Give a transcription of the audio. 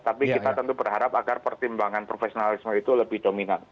tapi kita tentu berharap agar pertimbangan profesionalisme itu lebih dominan